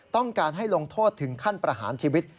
ต้องการให้ลงโทษถึงขั้นประหารชีวิต